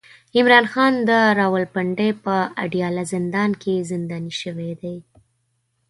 عمران خان د راولپنډۍ په اډياله زندان کې زنداني شوی دی